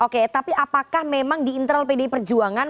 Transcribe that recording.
oke tapi apakah memang di internal pdi perjuangan